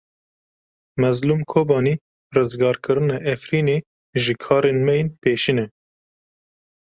Mezlûm Kobanî Rizgarkirina Efrînê ji karên me yên pêşîn e.